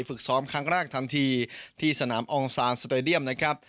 ฝึกซ้อมครั้งแรกทันทีที่สนามองซานสเตรเดียมนะครับ